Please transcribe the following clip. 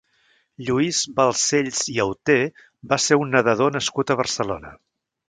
Lluís Balcells i Auter va ser un nedador nascut a Barcelona.